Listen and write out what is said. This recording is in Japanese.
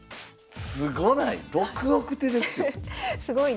すごない？